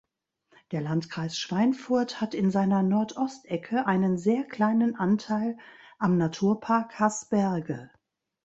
Der Landkreis Schweinfurt hat in seiner Nordostecke einen sehr kleinen Anteil am Naturpark Haßberge.